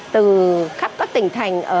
từ khắp các tỉnh thành